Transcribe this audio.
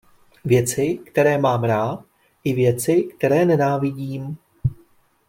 Věci, které mám rád, i věci, které nenávidím.